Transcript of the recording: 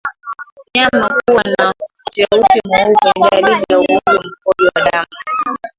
Mnyama kuwa na uteute mweupe ni dalili ya ugonjwa wa mkojo damu